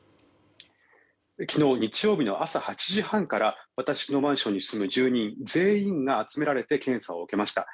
昨日、日曜日の朝８時半から私のマンションに住む住人全員が集められて検査を受けました。